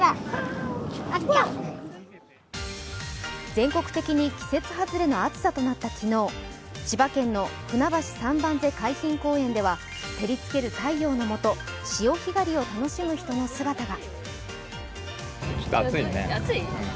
全国的に季節外れの暑さとなった昨日、千葉県のふなばし三番瀬海浜公園では照りつける太陽のもと、潮干狩りを楽しむ人の姿が。